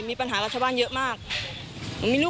มีลูกคนเดียว